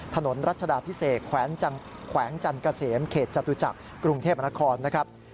รัชดาพิเศษแขวงจันเกษมเขตจตุจักรกรุงเทพมนครนะครับ